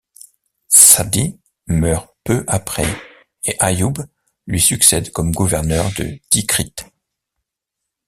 Shadhi meurt peu après et Ayyub lui succède comme gouverneur de Tikrit.